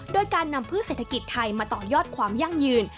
โดยการนำพืชเศรษฐกิจไทยมาต่อยอดความยั่งยืน